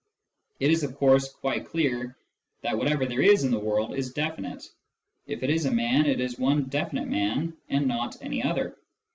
It is of course quite clear that whatever there is in the world is definite : if it is a man it is one definite man and not any other.